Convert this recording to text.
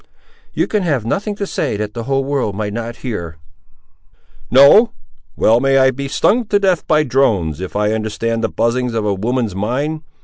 "You can have nothing to say that the whole world might not hear." "No! well, may I be stung to death by drones, if I understand the buzzings of a woman's mind!